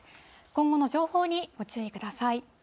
今後の情報にご注意ください。